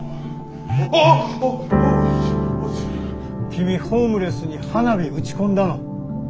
君ホームレスに花火打ち込んだの？